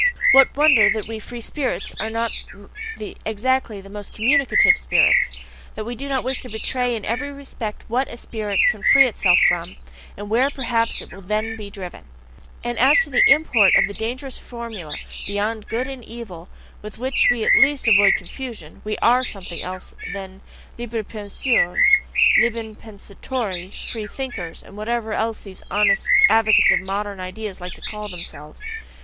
What wonder that we "free spirits" are not exactly the most communicative spirits? that we do not wish to betray in every respect WHAT a spirit can free itself from, and WHERE perhaps it will then be driven? And as to the import of the dangerous formula, "Beyond Good and Evil," with which we at least avoid confusion, we ARE something else than "libres penseurs," "liben pensatori" "free thinkers," and whatever these honest advocates of "modern ideas" like to call themselves.